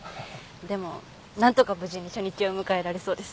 でもなんとか無事に初日を迎えられそうです。